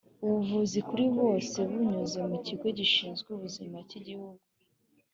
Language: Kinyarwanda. ubuvuzi kuri bose binyuze mu kigo gishinzwe ubuzima cy’Igihugu